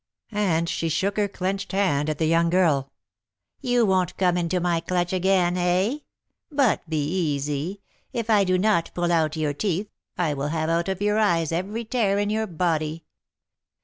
and she shook her clenched hand at the young girl. "You won't come into my clutch again, eh? But be easy; if I do not pull out your teeth, I will have out of your eyes every tear in your body.